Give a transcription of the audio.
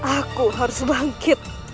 aku harus bangkit